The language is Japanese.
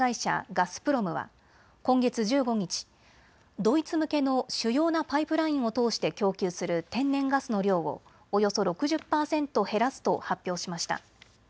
ガスプロムは今月１５日、ドイツ向けの主要なパイプラインを通して供給する天然ガスの量をおよそ６０％減らすと発表しました。